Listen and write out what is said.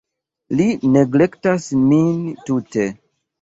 Li neglektas min tute.